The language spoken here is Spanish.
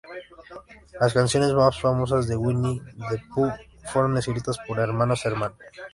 Las canciones más famosas de Winnie the Pooh fueron escritas por los Hermanos Sherman.